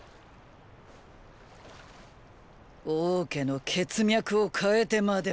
王家の血脈を変えてまでもかよ。